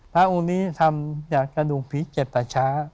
พระองค์นี้ทำจากกระดูกผีเจ็ดป่าช้า